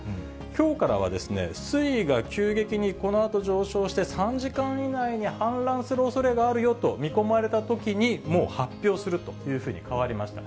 きょうからは水位が急激にこのあと上昇して、３時間以内に氾濫するおそれがあるよと見込まれたときに、もう発表するというふうに変わりました。